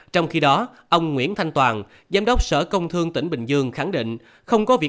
trong khi đó ông nguyễn thanh toàn giám đốc sở công thương tỉnh bình dương khẳng định không có việc